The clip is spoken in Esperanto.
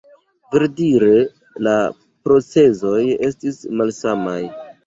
Verdire, la procezoj estis malsamaj.